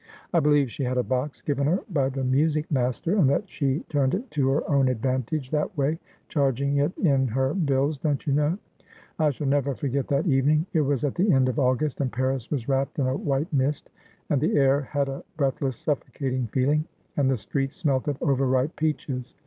I believe 'And Spending Silver had He right Ynow.'' 119 she had a box given her by the music master, and that she turned it to her own advantage that way — charging it in her bills, don't you know. I shall never forget that evening. It was at the end of August, and Paris was wrapped in a white mist, and the air had a breathless, sufEocating feeling, and the streets smelt of over ripe peaches.